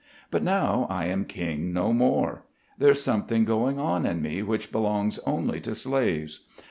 But now I am king no more. There's something going on in me which belongs only to slaves.